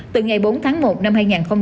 từ ngày bốn tháng một năm hai nghìn hai mươi